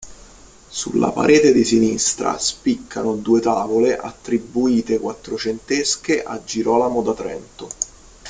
Sulla parete di sinistra spiccano due tavole attribuite quattrocentesche a Girolamo da Trento.